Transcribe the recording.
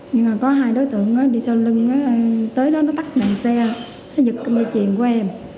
nhưng mà có hai đối tượng đi sau lưng tới đó nó tắt đèn xe nhực cầm dây chuyển của em